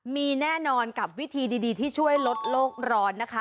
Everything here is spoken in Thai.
มีแน่นอนกับวิธีดีที่ช่วยลดโลกร้อนนะคะ